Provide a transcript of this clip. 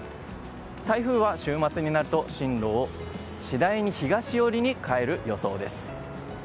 台風は週末になると進路を次第に東寄りに変える予想です。